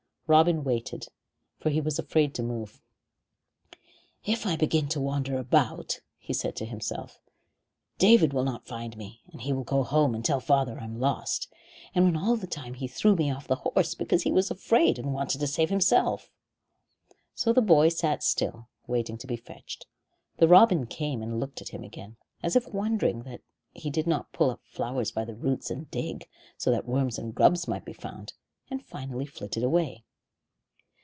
Robin waited, for he was afraid to move. "If I begin to wander about," he said to himself, "David will not find me, and he will go home and tell father I'm lost, when all the time he threw me off the horse because he was afraid and wanted to save himself." So the boy sat still, waiting to be fetched. The robin came and looked at him again, as if wondering that he did not pull up flowers by the roots and dig, so that worms and grubs might be found, and finally flitted away.